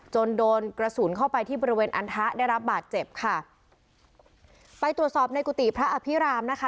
โดนกระสุนเข้าไปที่บริเวณอันทะได้รับบาดเจ็บค่ะไปตรวจสอบในกุฏิพระอภิรามนะคะ